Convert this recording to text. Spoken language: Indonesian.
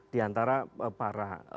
di antara para